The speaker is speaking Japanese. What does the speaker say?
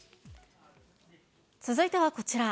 続いてはこちら。